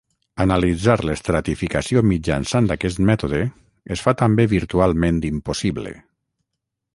Analitzar l'estratificació mitjançant aquest mètode es fa també virtualment impossible.